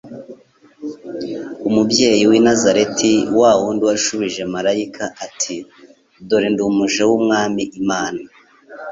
umubyeyi w'i Nazareti, wa wundi washubije Marayika ati, '' Dore ndi umuja w'Umwami Imana,